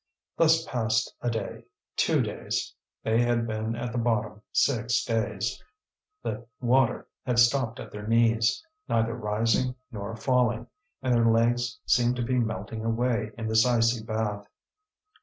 Thus passed a day, two days. They had been at the bottom six days. The water had stopped at their knees, neither rising nor falling, and their legs seemed to be melting away in this icy bath.